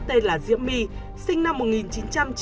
tên là diễm my sinh năm